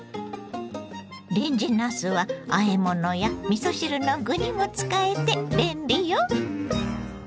レンジなすはあえ物やみそ汁の具にも使えて便利よ。